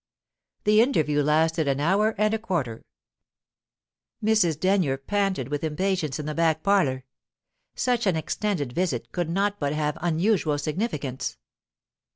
The interview lasted an hour and a quarter. Mrs. Denyer panted with impatience in the back parlour. Such an extended visit could not but have unusual significance.